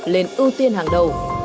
lên ưu tiên hàng đầu